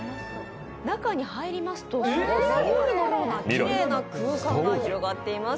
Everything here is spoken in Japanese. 中に入りますとショッピングモールのようなきれいな空間が広がっています。